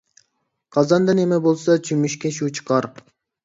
قازاندا نىمە بولسا چۆمۈچكە شۇ چىقار.